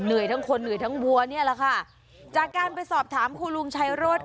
ทั้งคนเหนื่อยทั้งวัวเนี่ยแหละค่ะจากการไปสอบถามครูลุงชัยโรธ